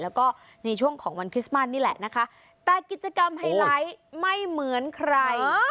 แล้วก็ในช่วงของวันคริสต์มัสนี่แหละนะคะแต่กิจกรรมไฮไลท์ไม่เหมือนใคร